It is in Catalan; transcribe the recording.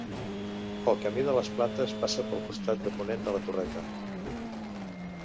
El Camí de les Plantes passa pel costat de ponent de la Torreta.